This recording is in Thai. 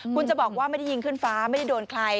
คุณจะบอกว่าไม่ได้ยิงขึ้นฟ้าไม่ได้โดนใคร